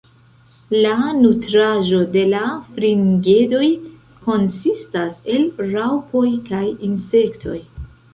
La nutraĵo de la fringedoj konsistas el raŭpoj kaj insektoj.